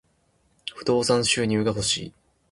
不動産収入が欲しい。